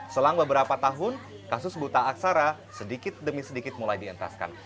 selang beberapa tahun kasus buta aksara sedikit demi sedikit mulai dientaskan